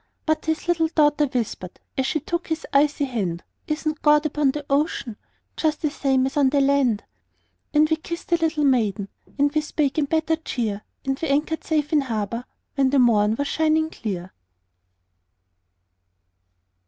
But his little daughter whispered, As she took his icy hand, "Isn't God upon the ocean, Just the same as on the land?" Then we kissed the little maiden, And we spake in better cheer, And we anchored safe in harbor When the morn was shining clear.